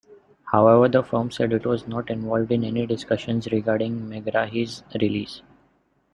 However, the firm said it was not involved in any discussions regarding Megrahi's release.